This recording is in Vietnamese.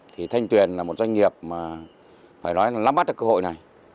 thì thanh tuyền là một doanh nghiệp mà phải nói là nắm bắt được cơ hội này